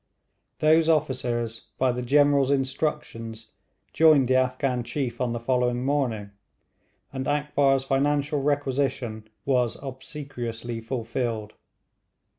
Those officers by the General's instructions joined the Afghan chief on the following morning, and Akbar's financial requisition was obsequiously fulfilled.